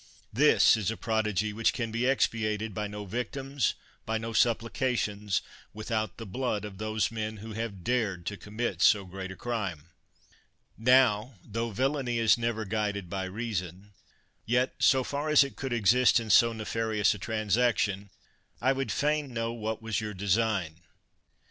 This is a prodigy which can be expiated by no victims, by no supplications, without the blood of those men who have dared to commit so great a crime. Now, tho villainy is never guided by rea son, yet, so far as it could exist in so nefarious a transaction, I would fain know what was your design.